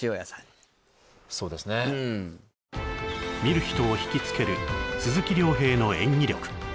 見る人を惹きつける鈴木亮平の演技力